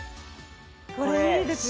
これいいですよね